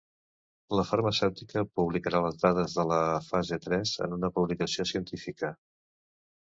La farmacèutica publicarà les dades de la fase tres en una publicació científica.